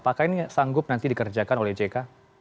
apakah ini sanggup nanti dikerjakan oleh jk